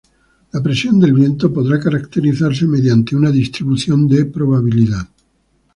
La presión del viento podrá caracterizarse mediante una distribución de probabilidad.